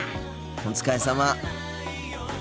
お疲れさま。